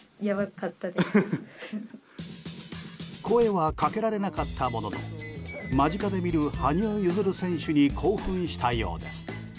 声はかけられなかったものの間近で見る羽生結弦選手に興奮したようです。